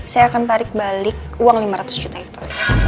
saya akan tarik balik uang lima ratus juta hektare